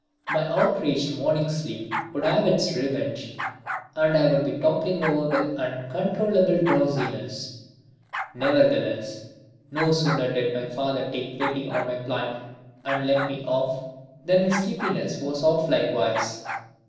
My outraged morning sleep would have its revenge and I would be toppling over with uncontrollable drowsiness. Nevertheless, no sooner did my father take pity on my plight and let me off, than my sleepiness was off likewise.